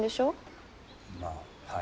まあはい。